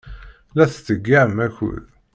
La tettḍeyyiɛem akud.